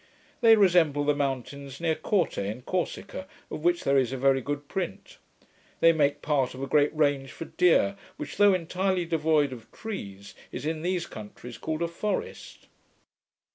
They resemble the mountains near Corte in Corsica, of which there is a very good print. They make part of a great range for deer, which, though entirely devoid of trees, is in these countries called a forest.